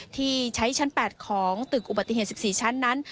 ที่ใช้ชั้น๘ของตึกอุบัติเหตุ๑๔ชั้นนั้น